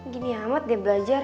gini amat deh belajar